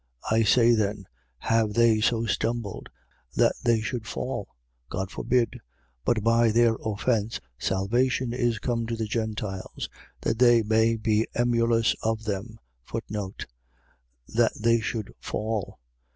11:11. I say then: Have they so stumbled, that they should fall? God forbid! But by their offence salvation is come to the Gentiles, that they may be emulous of them. That they should fall.